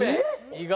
意外。